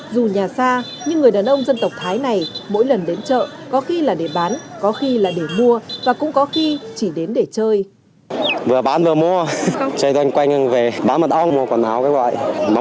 dù nhà xa nhưng người đàn ông dân tộc thái này mỗi lần đến chợ có khi là để bán có khi là để mua và cũng có khi chỉ đến để chơi